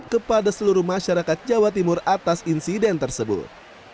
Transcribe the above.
kepada seluruh masyarakat jawa timur atas insiden tersebut